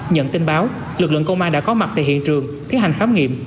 nhận tin báo lực lượng công an đã có mặt tại hiện trường thi hành khám nghiệm